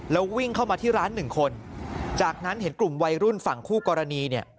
แล้ววิ่งเข้ามาที่ร้านหนึ่งคนจากนั้นเห็นกลุ่มวัยรุ่นฝั่งคู่กรณีเนี่ย